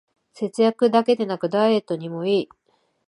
節約だけでなくダイエットにもいい